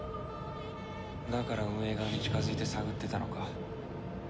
だから運営側に近づいて探ってたのか。